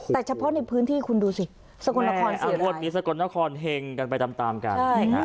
แต่เฉพาะในพื้นที่คุณดูสิสกลนครเสียร้ายอำเภอกุฎมีสกลนครแห่งกันไปตามกัน